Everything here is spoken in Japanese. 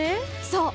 そう！